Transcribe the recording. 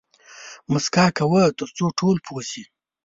موسکا کوه تر څو ټول پوه شي